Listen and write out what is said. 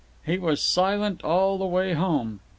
He was silent all the way home.